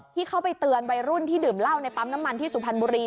ที่เข้าไปเตือนวัยรุ่นที่ดื่มเหล้าในปั๊มน้ำมันที่สุพรรณบุรี